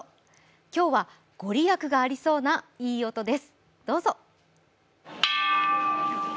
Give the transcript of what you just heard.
今日は御利益がありそうないい音です。